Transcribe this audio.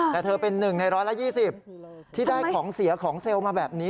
แต่เธอเป็นหนึ่งในร้อยละ๒๐ที่ได้ของเสียของเซลล์มาแบบนี้